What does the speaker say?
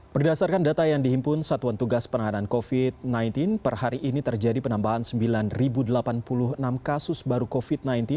berdasarkan data yang dihimpun satuan tugas penanganan covid sembilan belas per hari ini terjadi penambahan sembilan delapan puluh enam kasus baru covid sembilan belas